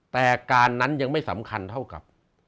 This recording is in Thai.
แต่การนั้นยังไม่สำคัญเท่ากับ